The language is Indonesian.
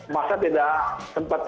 masa tidak sempat